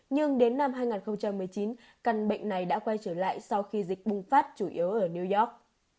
nhưng đến năm hai nghìn một mươi chín căn bệnh này đã quay trở lại sau khi dịch bùng phát chủ yếu ở new york